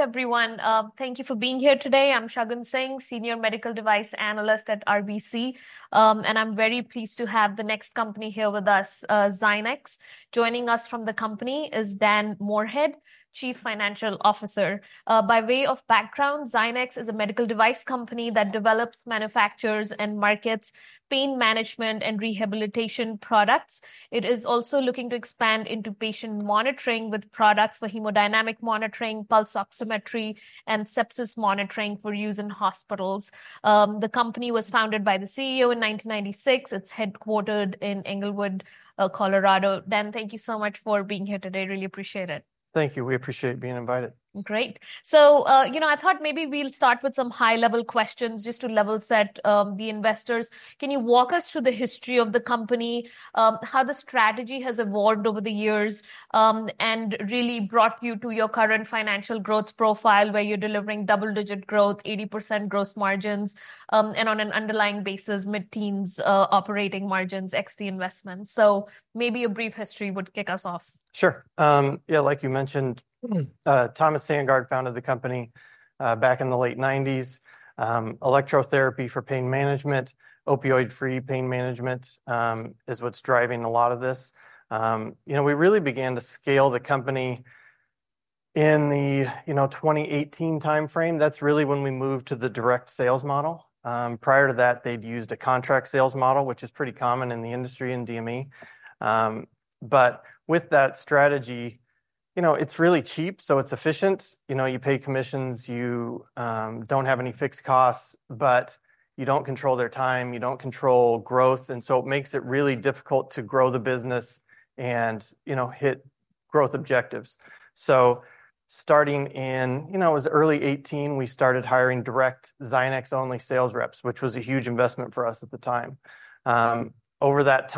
Hi everyone, thank you for being here today. I'm Shagun Singh, Senior Medical Device Analyst at RBC, and I'm very pleased to have the next company here with us, Zynex. Joining us from the company is Dan Moorhead, Chief Financial Officer. By way of background, Zynex is a medical device company that develops, manufactures, and markets pain management and rehabilitation products. It is also looking to expand into patient monitoring with products for hemodynamic monitoring, pulse oximetry, and sepsis monitoring for use in hospitals. The company was founded by the CEO in 1996. It's headquartered in Englewood, Colorado. Dan, thank you so much for being here today. Really appreciate it. Thank you. We appreciate being invited. Great. So, you know, I thought maybe we'll start with some high-level questions just to level set the investors. Can you walk us through the history of the company, how the strategy has evolved over the years, and really brought you to your current financial growth profile where you're delivering double-digit growth, 80% gross margins, and on an underlying basis, mid-teens operating margins ex investments? So maybe a brief history would kick us off. Sure. Yeah, like you mentioned, Thomas Sandgaard founded the company back in the late 1990s. Electrotherapy for pain management, opioid-free pain management, is what's driving a lot of this. You know, we really began to scale the company in the, you know, 2018 timeframe. That's really when we moved to the direct sales model. Prior to that, they'd used a contract sales model, which is pretty common in the industry in DME. But with that strategy, you know, it's really cheap, so it's efficient. You know, you pay commissions, you don't have any fixed costs, but you don't control their time, you don't control growth, and so it makes it really difficult to grow the business and, you know, hit growth objectives. So starting in, you know, it was early 2018 we started hiring direct Zynex-only sales reps, which was a huge investment for us at the time. Over that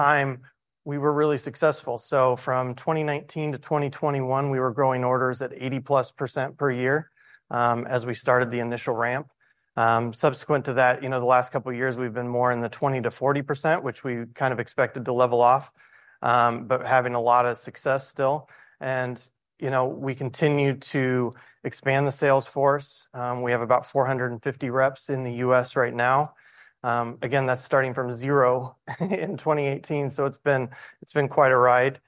time we were really successful. So from 2019 to 2021 we were growing orders at 80%+ per year, as we started the initial ramp. Subsequent to that, you know, the last couple of years we've been more in the 20%-40%, which we kind of expected to level off, but having a lot of success still. You know, we continue to expand the sales force. We have about 450 reps in the U.S. right now. Again, that's starting from 0 in 2018, so it's been, it's been quite a ride.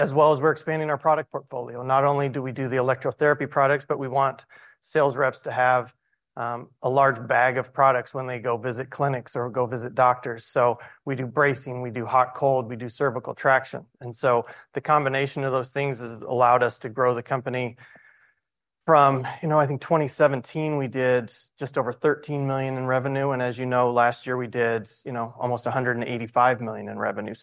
As well as we're expanding our product portfolio. Not only do we do the electrotherapy products, but we want sales reps to have a large bag of products when they go visit clinics or go visit doctors. So we do bracing, we do hot-cold, we do cervical traction. So the combination of those things has allowed us to grow the company. From, you know, I think 2017 we did just over $13 million in revenue, and as you know, last year we did, you know, almost $185 million in revenue.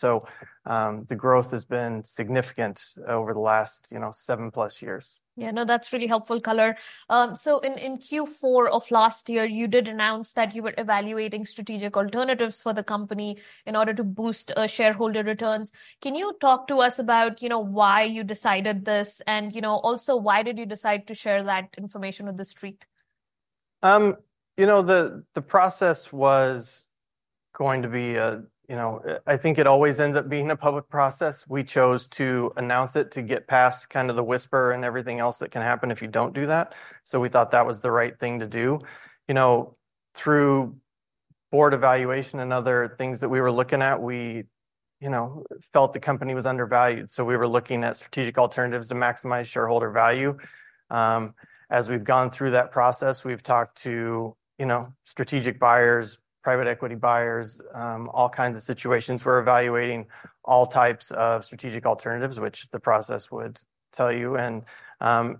The growth has been significant over the last, you know, 7+ years. Yeah, no, that's really helpful color. So in Q4 of last year you did announce that you were evaluating strategic alternatives for the company in order to boost shareholder returns. Can you talk to us about, you know, why you decided this and, you know, also why did you decide to share that information with the street? You know, the process was going to be a, you know, I think it always ends up being a public process. We chose to announce it to get past kind of the whisper and everything else that can happen if you don't do that. So we thought that was the right thing to do. You know, through board evaluation and other things that we were looking at, we, you know, felt the company was undervalued. So we were looking at strategic alternatives to maximize shareholder value. As we've gone through that process, we've talked to, you know, strategic buyers, private equity buyers, all kinds of situations. We're evaluating all types of strategic alternatives, which the process would tell you, and,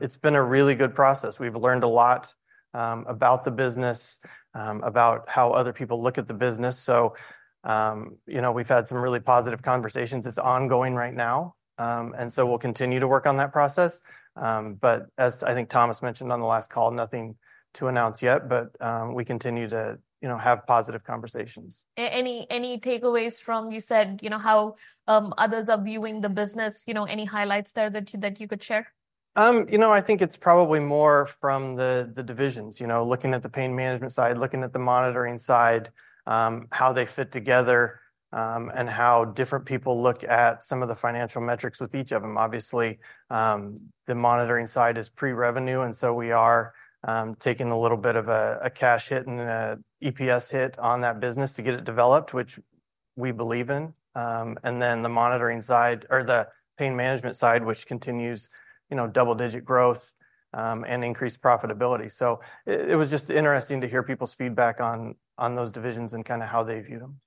it's been a really good process. We've learned a lot, about the business, about how other people look at the business. So, you know, we've had some really positive conversations. It's ongoing right now, and so we'll continue to work on that process. But as I think Thomas mentioned on the last call, nothing to announce yet, but we continue to, you know, have positive conversations. Any takeaways from, you know, how others are viewing the business, you know, any highlights there that you could share? You know, I think it's probably more from the divisions, you know, looking at the pain management side, looking at the monitoring side, how they fit together, and how different people look at some of the financial metrics with each of them. Obviously, the monitoring side is pre-revenue, and so we are taking a little bit of a cash hit and an EPS hit on that business to get it developed, which we believe in. And then the monitoring side or the pain management side, which continues, you know, double-digit growth, and increased profitability. So it was just interesting to hear people's feedback on those divisions and kind of how they view them.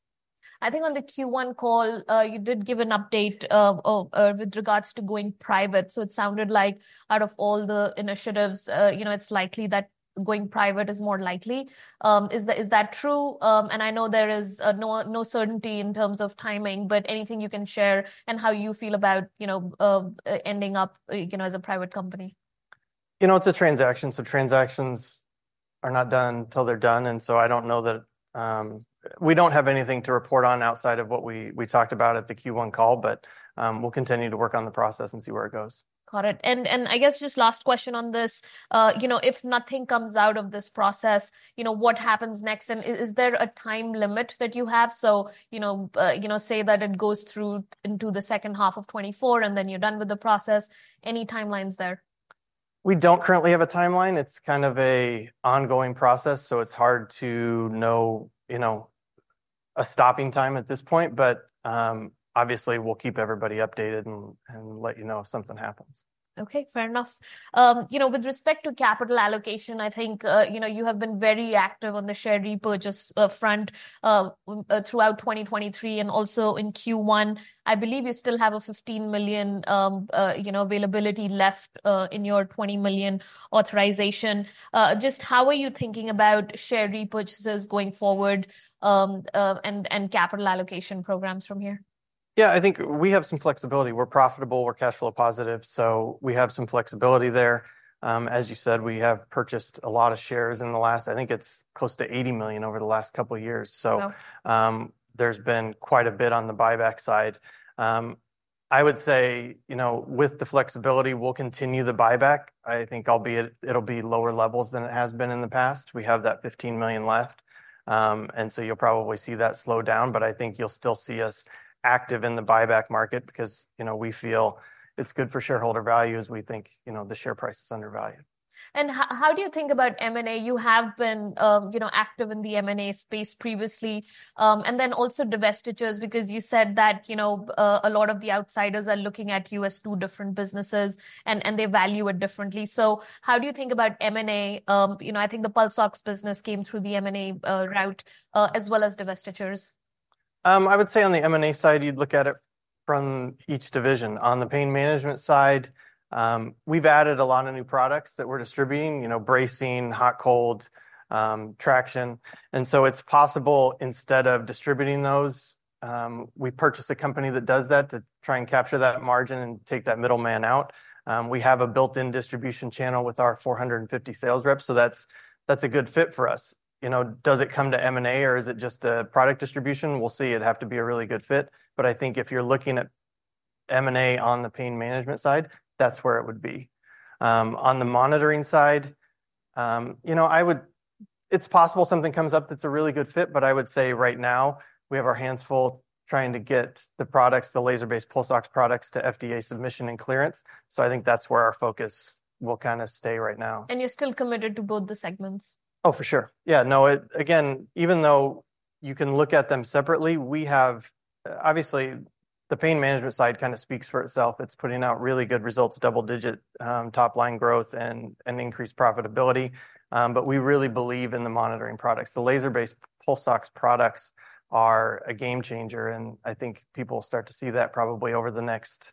I think on the Q1 call, you did give an update, with regards to going private. So it sounded like out of all the initiatives, you know, it's likely that going private is more likely. Is that, is that true? And I know there is, no, no certainty in terms of timing, but anything you can share and how you feel about, you know, ending up, you know, as a private company? You know, it's a transaction, so transactions are not done till they're done, and so I don't know that, we don't have anything to report on outside of what we talked about at the Q1 call, but we'll continue to work on the process and see where it goes. Got it. And I guess just last question on this, you know, if nothing comes out of this process, you know, what happens next? And is there a time limit that you have? So, you know, you know, say that it goes through into the second half of 2024 and then you're done with the process. Any timelines there? We don't currently have a timeline. It's kind of an ongoing process, so it's hard to know, you know, a stopping time at this point, but, obviously we'll keep everybody updated and, and let you know if something happens. Okay, fair enough. You know, with respect to capital allocation, I think, you know, you have been very active on the share repurchase front throughout 2023 and also in Q1. I believe you still have a $15 million, you know, availability left in your $20 million authorization. Just how are you thinking about share repurchases going forward, and capital allocation programs from here? Yeah, I think we have some flexibility. We're profitable, we're cash flow positive, so we have some flexibility there. As you said, we have purchased a lot of shares in the last, I think it's close to $80 million over the last couple of years. So, there's been quite a bit on the buyback side. I would say, you know, with the flexibility, we'll continue the buyback. I think albeit it'll be lower levels than it has been in the past. We have that $15 million left. And so you'll probably see that slow down, but I think you'll still see us active in the buyback market because, you know, we feel it's good for shareholder value as we think, you know, the share price is undervalued. How do you think about M&A? You have been, you know, active in the M&A space previously, and then also divestitures because you said that, you know, a lot of the outsiders are looking at you as two different businesses, and they value it differently. So how do you think about M&A? You know, I think the pulse ox business came through the M&A route, as well as divestitures. I would say on the M&A side you'd look at it from each division. On the pain management side, we've added a lot of new products that we're distributing, you know, bracing, hot-cold, traction. And so it's possible instead of distributing those, we purchase a company that does that to try and capture that margin and take that middleman out. We have a built-in distribution channel with our 450 sales reps, so that's, that's a good fit for us. You know, does it come to M&A or is it just a product distribution? We'll see. It'd have to be a really good fit. But I think if you're looking at M&A on the pain management side, that's where it would be. On the monitoring side, you know, I would, it's possible something comes up that's a really good fit, but I would say right now we have our hands full trying to get the products, the laser-based pulse ox products to FDA submission and clearance. So I think that's where our focus will kind of stay right now. You're still committed to both the segments? Oh, for sure. Yeah, no, it, again, even though you can look at them separately, we have, obviously, the pain management side kind of speaks for itself. It's putting out really good results, double-digit top-line growth and increased profitability. But we really believe in the monitoring products. The laser-based pulse ox products are a game changer, and I think people will start to see that probably over the next,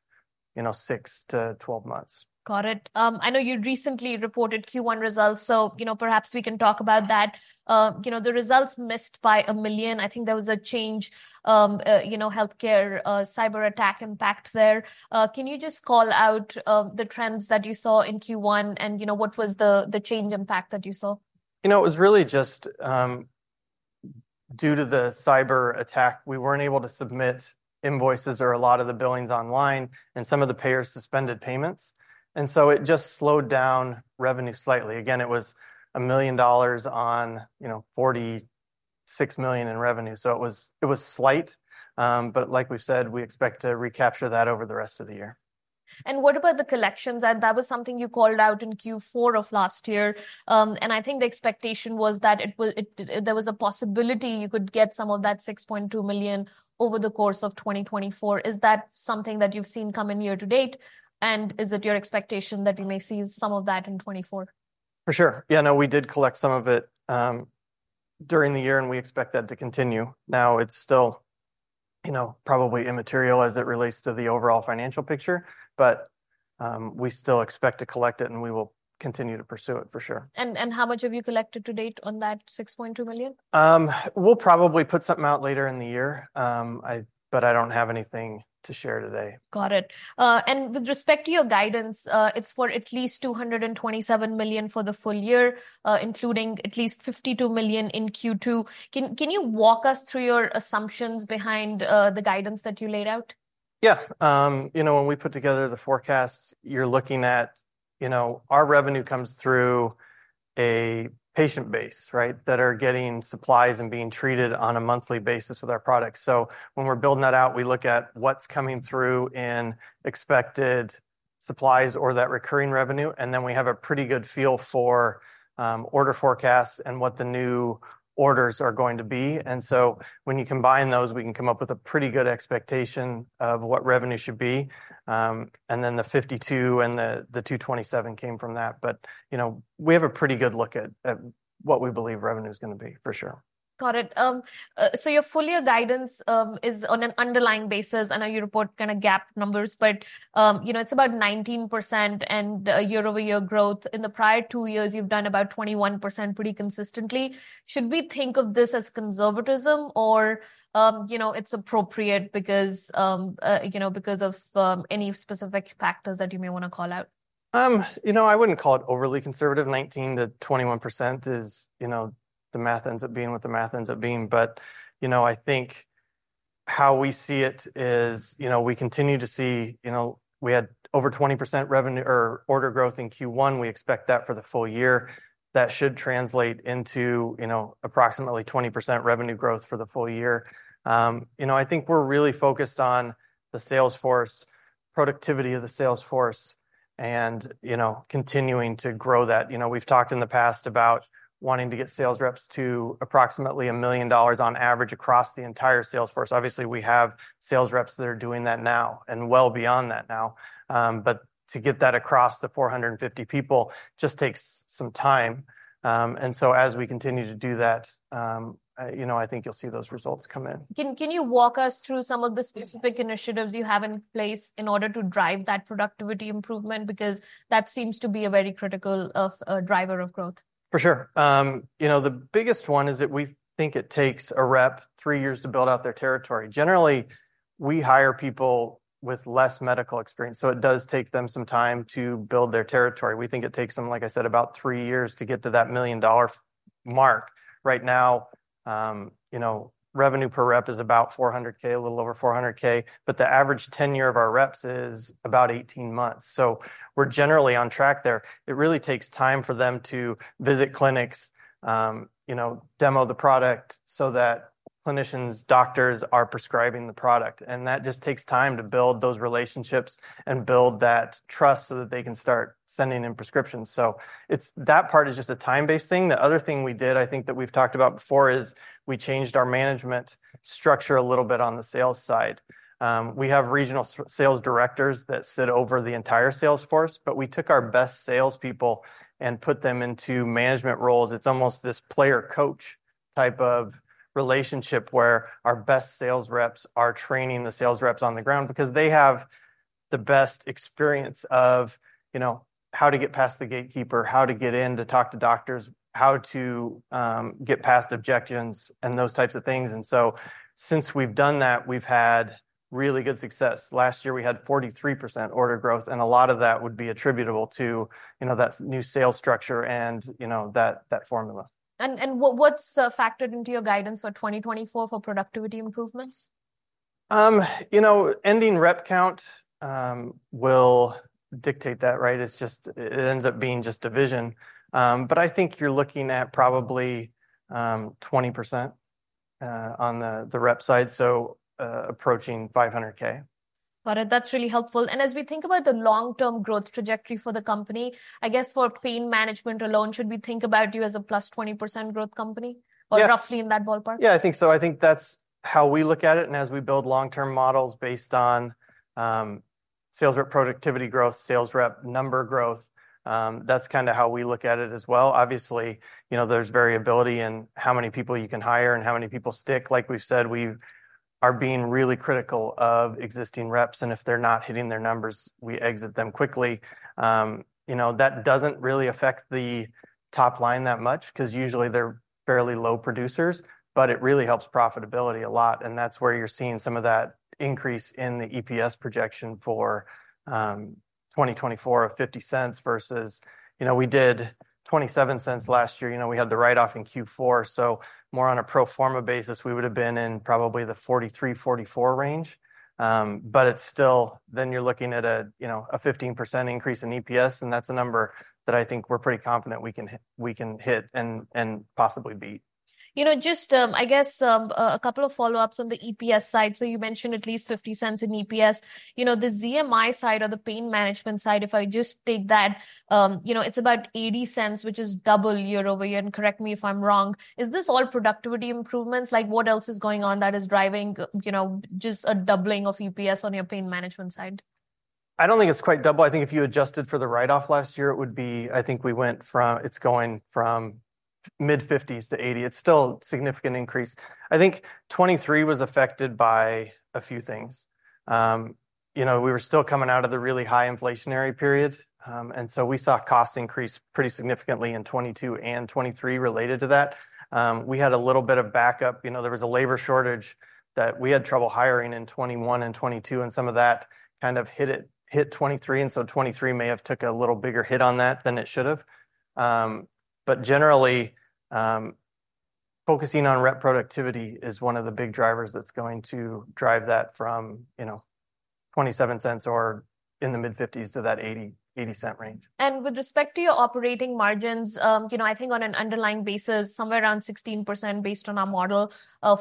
you know, 6-12 months. Got it. I know you recently reported Q1 results, so, you know, perhaps we can talk about that. You know, the results missed by $1 million. I think there was a Change Healthcare cyber attack impact there. Can you just call out the trends that you saw in Q1 and, you know, what was the Change Healthcare impact that you saw? You know, it was really just due to the cyber attack, we weren't able to submit invoices or a lot of the billings online, and some of the payers suspended payments. And so it just slowed down revenue slightly. Again, it was $1 million on, you know, $46 million in revenue. So it was, it was slight. But like we've said, we expect to recapture that over the rest of the year. What about the collections? That was something you called out in Q4 of last year. And I think the expectation was that it was, it, there was a possibility you could get some of that $6.2 million over the course of 2024. Is that something that you've seen come in year to date? Is it your expectation that we may see some of that in 2024? For sure. Yeah, no, we did collect some of it, during the year, and we expect that to continue. Now it's still, you know, probably immaterial as it relates to the overall financial picture, but, we still expect to collect it, and we will continue to pursue it for sure. And how much have you collected to date on that $6.2 million? We'll probably put something out later in the year, but I don't have anything to share today. Got it. And with respect to your guidance, it's for at least $227 million for the full year, including at least $52 million in Q2. Can you walk us through your assumptions behind the guidance that you laid out? Yeah. You know, when we put together the forecast, you're looking at, you know, our revenue comes through a patient base, right, that are getting supplies and being treated on a monthly basis with our products. So when we're building that out, we look at what's coming through in expected supplies or that recurring revenue, and then we have a pretty good feel for order forecasts and what the new orders are going to be. And so when you combine those, we can come up with a pretty good expectation of what revenue should be. And then the $52 and the $227 came from that. But, you know, we have a pretty good look at what we believe revenue is going to be for sure. Got it. So your full year guidance is on an underlying basis. I know you report kind of GAAP numbers, but, you know, it's about 19% and a year-over-year growth. In the prior two years, you've done about 21% pretty consistently. Should we think of this as conservatism or, you know, it's appropriate because, you know, because of any specific factors that you may want to call out? You know, I wouldn't call it overly conservative. 19%-21% is, you know, the math ends up being what the math ends up being. But, you know, I think how we see it is, you know, we continue to see, you know, we had over 20% revenue or order growth in Q1. We expect that for the full year. That should translate into, you know, approximately 20% revenue growth for the full year. You know, I think we're really focused on the sales force, productivity of the sales force, and, you know, continuing to grow that. You know, we've talked in the past about wanting to get sales reps to approximately $1 million on average across the entire sales force. Obviously, we have sales reps that are doing that now and well beyond that now. But to get that across the 450 people just takes some time. As we continue to do that, you know, I think you'll see those results come in. Can you walk us through some of the specific initiatives you have in place in order to drive that productivity improvement? Because that seems to be a very critical driver of growth. For sure. You know, the biggest one is that we think it takes a rep three years to build out their territory. Generally, we hire people with less medical experience, so it does take them some time to build their territory. We think it takes them, like I said, about three years to get to that $1 million mark. Right now, you know, revenue per rep is about $400,000, a little over $400,000, but the average tenure of our reps is about 18 months. So we're generally on track there. It really takes time for them to visit clinics, you know, demo the product so that clinicians, doctors are prescribing the product. And that just takes time to build those relationships and build that trust so that they can start sending in prescriptions. So it's that part is just a time-based thing. The other thing we did, I think that we've talked about before, is we changed our management structure a little bit on the sales side. We have regional sales directors that sit over the entire sales force, but we took our best salespeople and put them into management roles. It's almost this player-coach type of relationship where our best sales reps are training the sales reps on the ground because they have the best experience of, you know, how to get past the gatekeeper, how to get in to talk to doctors, how to get past objections and those types of things. And so since we've done that, we've had really good success. Last year we had 43% order growth, and a lot of that would be attributable to, you know, that new sales structure and, you know, that, that formula. And what’s factored into your guidance for 2024 for productivity improvements? You know, ending rep count will dictate that, right? It's just, it ends up being just division. But I think you're looking at probably 20% on the rep side, so approaching $500K. Got it. That's really helpful. And as we think about the long-term growth trajectory for the company, I guess for pain management alone, should we think about you as a +20% growth company or roughly in that ballpark? Yeah, I think so. I think that's how we look at it. And as we build long-term models based on sales rep productivity growth, sales rep number growth, that's kind of how we look at it as well. Obviously, you know, there's variability in how many people you can hire and how many people stick. Like we've said, we are being really critical of existing reps, and if they're not hitting their numbers, we exit them quickly. You know, that doesn't really affect the top line that much because usually they're fairly low producers, but it really helps profitability a lot. And that's where you're seeing some of that increase in the EPS projection for 2024 of $0.50 versus, you know, we did $0.27 last year. You know, we had the write-off in Q4, so more on a pro forma basis, we would have been in probably the $0.43-$0.44 range. but it's still, then you're looking at a, you know, a 15% increase in EPS, and that's a number that I think we're pretty confident we can, we can hit and, and possibly beat. You know, just, I guess, a couple of follow-ups on the EPS side. So you mentioned at least $0.50 in EPS. You know, the ZMI side or the pain management side, if I just take that, you know, it's about $0.80, which is double year-over-year. And correct me if I'm wrong. Is this all productivity improvements? Like what else is going on that is driving, you know, just a doubling of EPS on your pain management side? I don't think it's quite double. I think if you adjusted for the write-off last year, it would be. I think we went from, it's going from mid-50s to 80. It's still a significant increase. I think 2023 was affected by a few things. You know, we were still coming out of the really high inflationary period. And so we saw costs increase pretty significantly in 2022 and 2023 related to that. We had a little bit of backup. You know, there was a labor shortage that we had trouble hiring in 2021 and 2022, and some of that kind of hit it, hit 2023. And so 2023 may have took a little bigger hit on that than it should have. But generally, focusing on rep productivity is one of the big drivers that's going to drive that from, you know, $0.27 or in the mid-50s to that $0.80 range. With respect to your operating margins, you know, I think on an underlying basis, somewhere around 16% based on our model,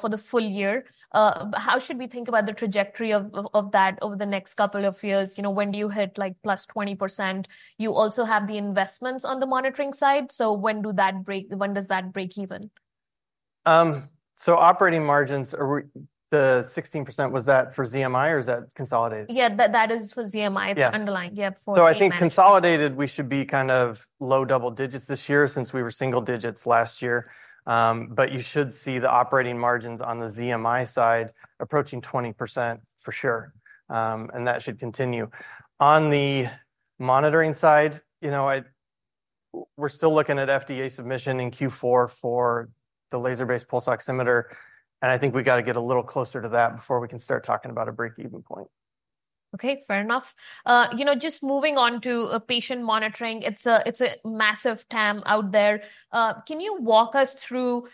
for the full year. How should we think about the trajectory of, of that over the next couple of years? You know, when do you hit like +20%? You also have the investments on the monitoring side. So when do that break? When does that break even? So, operating margins, are we the 16%? Was that for ZMI or is that consolidated? Yeah, that, that is for ZMI, the underlying. Yeah, for ZMI. So I think consolidated we should be kind of low double digits this year since we were single digits last year. But you should see the operating margins on the ZMI side approaching 20% for sure. And that should continue. On the monitoring side, you know, we're still looking at FDA submission in Q4 for the laser-based pulse oximeter. And I think we got to get a little closer to that before we can start talking about a break-even point. Okay, fair enough. You know, just moving on to patient monitoring, it's a massive TAM out there. Can you walk us through,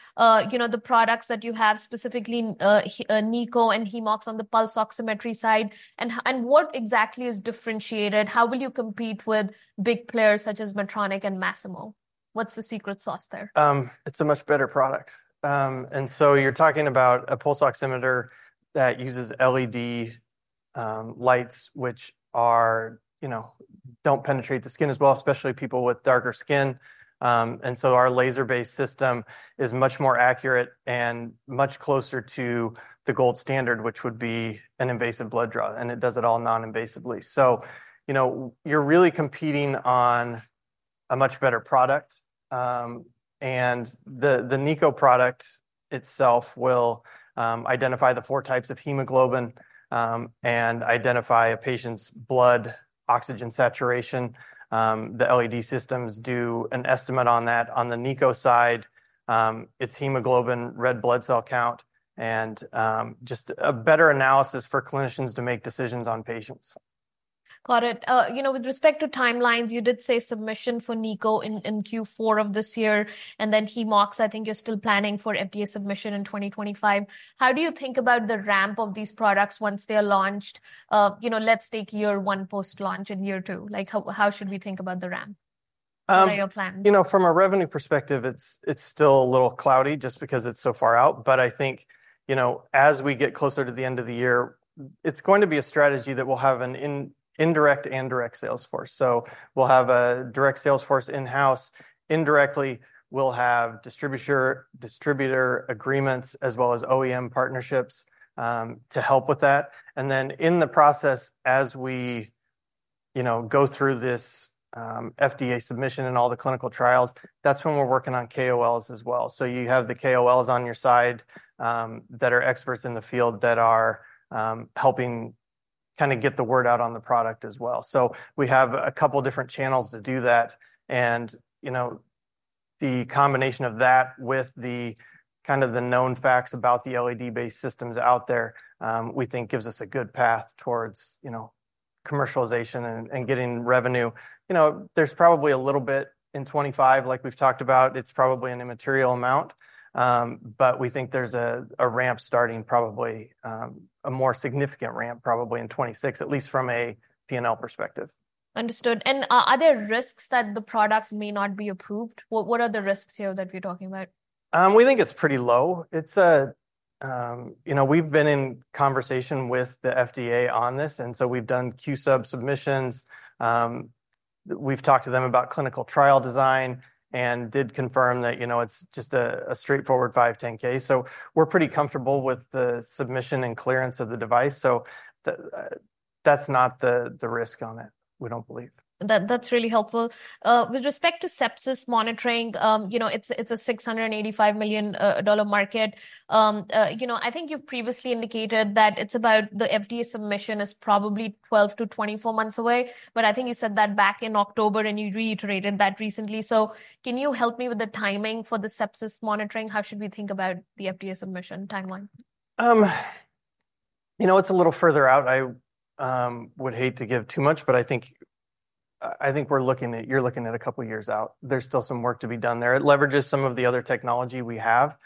you know, the products that you have specifically, NiCO and HemoOx on the pulse oximetry side? And what exactly is differentiated? How will you compete with big players such as Medtronic and Masimo? What's the secret sauce there? It's a much better product. So you're talking about a pulse oximeter that uses LED lights, which are, you know, don't penetrate the skin as well, especially people with darker skin. Our laser-based system is much more accurate and much closer to the gold standard, which would be an invasive blood draw. It does it all non-invasively. So, you know, you're really competing on a much better product. The NiCO product itself will identify the four types of hemoglobin, and identify a patient's blood oxygen saturation. The LED systems do an estimate on that. On the NiCO side, it's hemoglobin, red blood cell count, and just a better analysis for clinicians to make decisions on patients. Got it. You know, with respect to timelines, you did say submission for NiCO in, in Q4 of this year, and then HemoOx, I think you're still planning for FDA submission in 2025. How do you think about the ramp of these products once they are launched? You know, let's take year one post-launch and year two. Like how, how should we think about the ramp? What are your plans? You know, from a revenue perspective, it's still a little cloudy just because it's so far out. But I think, you know, as we get closer to the end of the year, it's going to be a strategy that we'll have an indirect and direct sales force. So we'll have a direct sales force in-house. Indirectly, we'll have distributor agreements as well as OEM partnerships to help with that. And then in the process, as we, you know, go through this FDA submission and all the clinical trials, that's when we're working on KOLs as well. So you have the KOLs on your side that are experts in the field that are helping kind of get the word out on the product as well. So we have a couple different channels to do that. You know, the combination of that with the kind of the known facts about the LED-based systems out there, we think gives us a good path towards, you know, commercialization and, and getting revenue. You know, there's probably a little bit in 2025, like we've talked about, it's probably an immaterial amount. But we think there's a, a ramp starting probably, a more significant ramp probably in 2026, at least from a P&L perspective. Understood. Are there risks that the product may not be approved? What, what are the risks here that you're talking about? We think it's pretty low. It's a, you know, we've been in conversation with the FDA on this, and so we've done Q-Submission submissions. We've talked to them about clinical trial design and did confirm that, you know, it's just a straightforward 510(k). So we're pretty comfortable with the submission and clearance of the device. So that, that's not the risk on it, we don't believe. That, that's really helpful. With respect to sepsis monitoring, you know, it's a $685 million market. You know, I think you've previously indicated that the FDA submission is probably 12-24 months away. But I think you said that back in October and you reiterated that recently. So can you help me with the timing for the sepsis monitoring? How should we think about the FDA submission timeline? You know, it's a little further out. I would hate to give too much, but I think, I think we're looking at, you're looking at a couple years out. There's still some work to be done there. It leverages some of the other technology we have.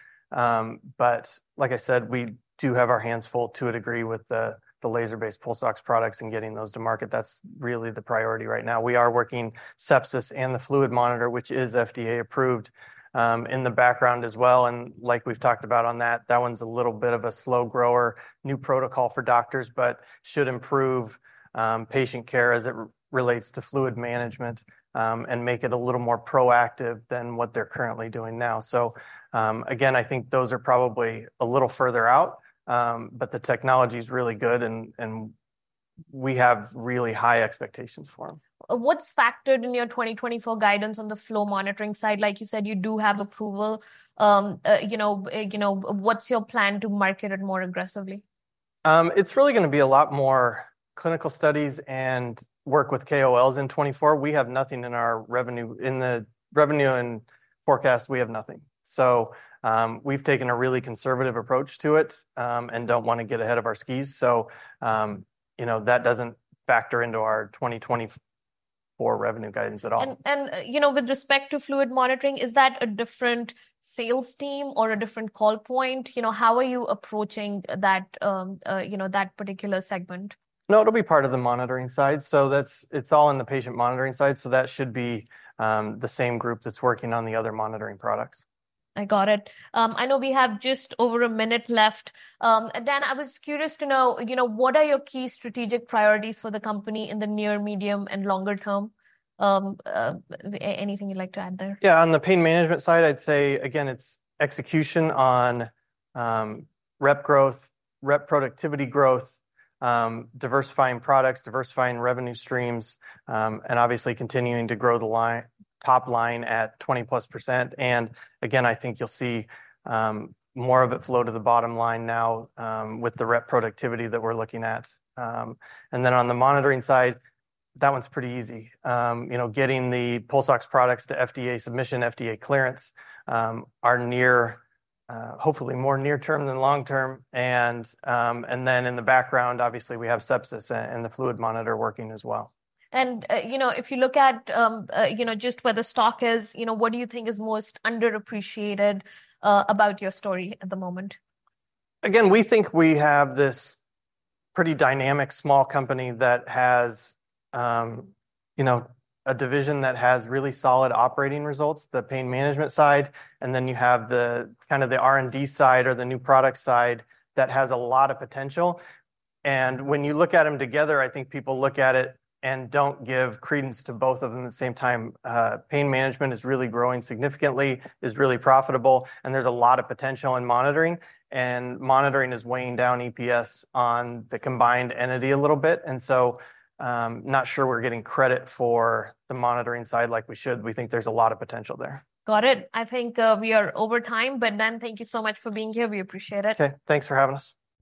But like I said, we do have our hands full to a degree with the laser-based pulse ox products and getting those to market. That's really the priority right now. We are working sepsis and the fluid monitor, which is FDA approved, in the background as well. And like we've talked about on that, that one's a little bit of a slow grower, new protocol for doctors, but should improve patient care as it relates to fluid management, and make it a little more proactive than what they're currently doing now. So, again, I think those are probably a little further out. But the technology is really good, and we have really high expectations for them. What's factored in your 2024 guidance on the flow monitoring side? Like you said, you do have approval. You know, you know, what's your plan to market it more aggressively? It's really going to be a lot more clinical studies and work with KOLs in 2024. We have nothing in our revenue, in the revenue and forecast, we have nothing. So, we've taken a really conservative approach to it, and don't want to get ahead of our skis. So, you know, that doesn't factor into our 2024 revenue guidance at all. You know, with respect to fluid monitoring, is that a different sales team or a different call point? You know, how are you approaching that, you know, that particular segment? No, it'll be part of the monitoring side. So that's. It's all in the patient monitoring side. So that should be the same group that's working on the other monitoring products. I got it. I know we have just over a minute left. Dan, I was curious to know, you know, what are your key strategic priorities for the company in the near, medium, and longer term? Anything you'd like to add there? Yeah, on the pain management side, I'd say, again, it's execution on, rep growth, rep productivity growth, diversifying products, diversifying revenue streams, and obviously continuing to grow the line top line at 20%+. And again, I think you'll see, more of it flow to the bottom line now, with the rep productivity that we're looking at. And then on the monitoring side, that one's pretty easy. You know, getting the pulse ox products to FDA submission, FDA clearance, are near, hopefully more near-term than long-term. And then in the background, obviously we have sepsis and the fluid monitor working as well. You know, if you look at, you know, just where the stock is, you know, what do you think is most underappreciated about your story at the moment? Again, we think we have this pretty dynamic small company that has, you know, a division that has really solid operating results, the pain management side. And then you have the kind of the R&D side or the new product side that has a lot of potential. And when you look at them together, I think people look at it and don't give credence to both of them at the same time. Pain management is really growing significantly, is really profitable, and there's a lot of potential in monitoring. And monitoring is weighing down EPS on the combined entity a little bit. And so, not sure we're getting credit for the monitoring side like we should. We think there's a lot of potential there. Got it. I think we are over time, but Dan, thank you so much for being here. We appreciate it. Okay, thanks for having us.